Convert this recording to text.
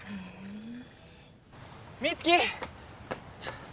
美月！